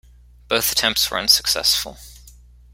Both attempts were unsuccessful.